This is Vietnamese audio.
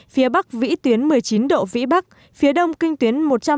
phía bắc vĩ tuyến một mươi chín độ vĩ bắc phía đông kinh tuyến một trăm linh